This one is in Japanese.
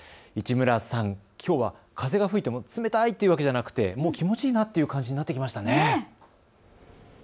市村さん、きょうは風が吹いても冷たいというわけじゃなくて気持ちいいなという感じになってきましたね。